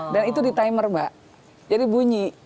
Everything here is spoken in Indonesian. dan itu di timer mbak jadi bunyi